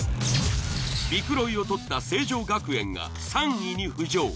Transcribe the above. ビクロイを獲った成城学園が３位に浮上。